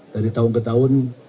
dari tahun ke tahun